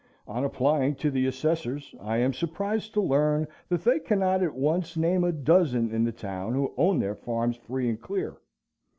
On applying to the assessors, I am surprised to learn that they cannot at once name a dozen in the town who own their farms free and clear.